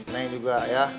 neng juga ya